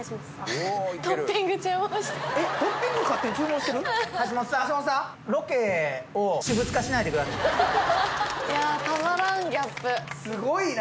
すごい。